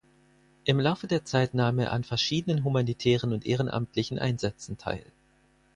Im Laufe der Zeit nahm er an verschiedenen humanitären und ehrenamtlichen Einsätzen teil.